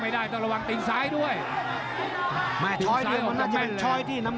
ติดไหนอย่างเดียวเตะไว้หน่อยติดมา